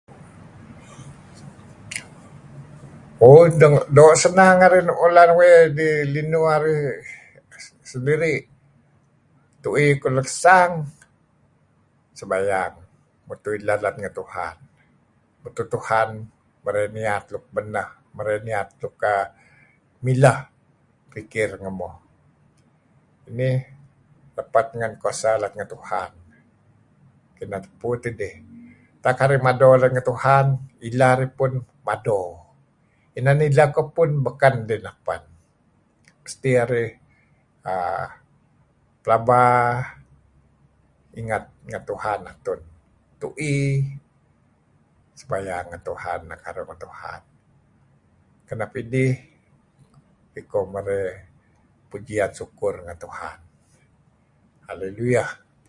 Oh doo' senang arih kuleg weh linuh arih. Tui iko lekasang sembayang mutuh doo' lat ngen Tuhan. Mutuh Tuhan marey niat luk beneh, luk mileh pikir ngemuh. Rapet ngen kuasa lat ngen Tuhan. Kineh tupu tidih. Tak arih mado lat ngen Tuhan ileh narih pun mado. Inan ileh muh pun baken dih napeh. Mesti arih uhm pelaba ingat ngen Tuhan. Doo' tui', doo' sembayang ngen Tuhan, pekaruh ngen Tuhan. Kanep idih marey pujian shukur ngen Tuhan. Halelliyah.